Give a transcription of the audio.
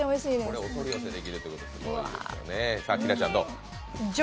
これお取り寄せできるということですごいですね。